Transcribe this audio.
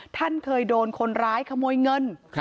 ท่านเคยโดนคนร้ายขโมยเงิน